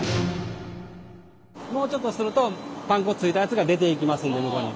もうちょっとするとパン粉ついたやつが出ていきますんで向こうに。